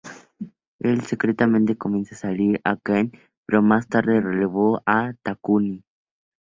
Él secretamente comienza a salir con Akane, pero más tarde reveló esto a Takumi.